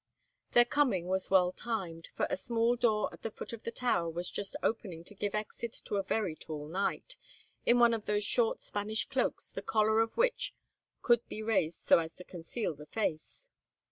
Their coming was well timed, for a small door at the foot of the tower was just opening to give exit to a very tall knight, in one of those short Spanish cloaks the collar of which could be raised so as to conceal the face.